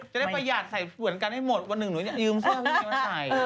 จะได้ประหยาดใส่เหวินกันให้หมดวันหนึ่งหนูยืมเสื้อไม่ได้มาใส่